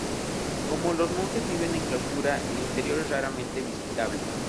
Como los monjes viven en clausura, el interior es raramente visitable.